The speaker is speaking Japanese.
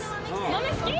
豆好き？